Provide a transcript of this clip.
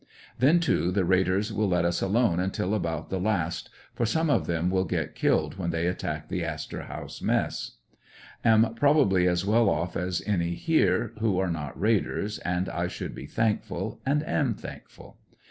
Then, too, the raiders will let us alone until about the last, for some of them will get killed when they attack the ''Astor House Mess," Am probal)ly as well off as any here who are not raiders, and I should be thankful, and am thankful